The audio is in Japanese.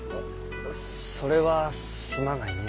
それはすまないねえ。